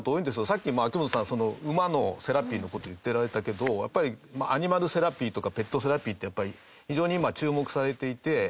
さっきも、秋元さん、馬のセラピーの事、言ってられたけどやっぱり、アニマルセラピーとかペットセラピーって非常に、今、注目されていて。